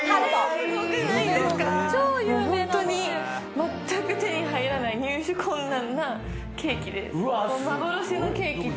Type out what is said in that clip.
全く手に入らない入手困難なケーキです。